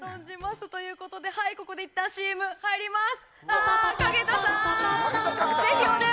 ここでいったんＣＭに入ります。